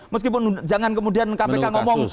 meskipun jangan kemudian kpk ngomong